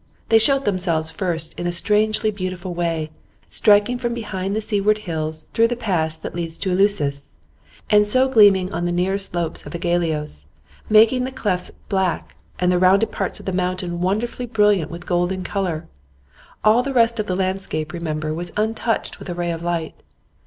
They showed themselves first in a strangely beautiful way, striking from behind the seaward hills through the pass that leads to Eleusis, and so gleaming on the nearer slopes of Aigaleos, making the clefts black and the rounded parts of the mountain wonderfully brilliant with golden colour. All the rest of the landscape, remember, was untouched with a ray of light.